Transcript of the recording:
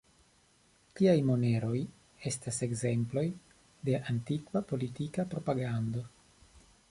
Tiaj moneroj estas ekzemploj de antikva politika propagando.